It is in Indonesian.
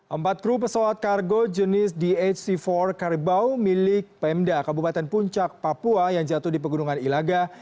empat kru pesawat kargo jenis dhc empat karibau milik pemda kabupaten puncak papua yang jatuh di pegunungan ilaga